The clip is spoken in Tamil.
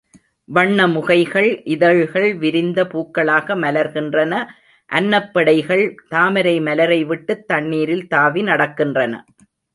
வண்ண முகைகள் இதழ்கள் விரிந்த பூக்களாக மலர்கின்றன அன்னப் பெடைகள் தாமரை மலரை விட்டுத் தண்ணீரில் தாவி நடக்கின்றன.